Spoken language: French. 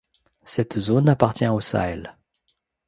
Cette zone appartient au Sahel.